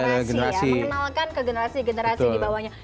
mengenalkan ke generasi generasi dibawanya